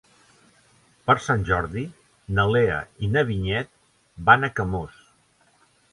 Per Sant Jordi na Lea i na Vinyet van a Camós.